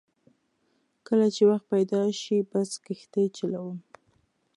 کله چې وخت پیدا شي بس کښتۍ چلوم.